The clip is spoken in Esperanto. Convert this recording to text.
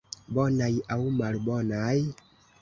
Bonaj aŭ malbonaj?